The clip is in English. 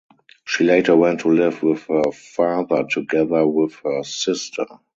She later went to live with her father together with her sister.